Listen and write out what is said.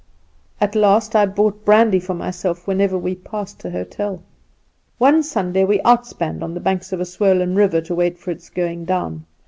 At last I bought brandy for myself whenever we passed an hotel. "One Sunday we outspanned on the banks of a swollen river to wait for its going down.